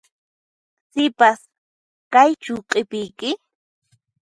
Sipas, kaychu q'ipiyki?